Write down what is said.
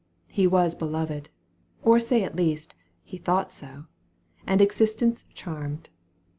He was beloved : or say at least, He thought so, and existence charmed.